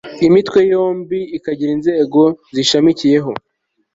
iyi mitwe yombi ikagira inzego ziyishamikiyeho